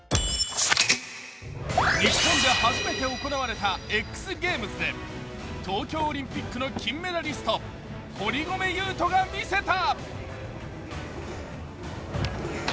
日本で初めて行われたＸＧＡＭＥＳで東京オリンピックの金メダリスト堀米雄斗が見せた。